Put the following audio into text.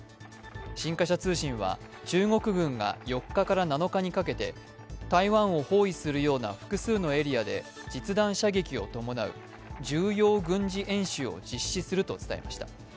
新華社通信は、中国軍が４日から７日にかけて台湾を包囲するような複数のエリアで実弾射撃を伴う重要軍事演習を実施すると伝えました。